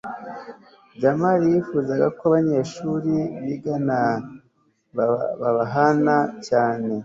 jamali yifuzaga ko abanyeshuri bigana bubahana cyane